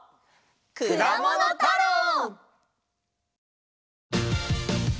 「くだものたろう」！